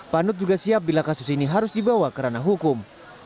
panut juga siap bila kasus ini harus dibawa ke ranah hukum